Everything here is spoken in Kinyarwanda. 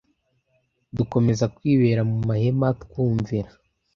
dukomeza kwibera mu mahema twumvira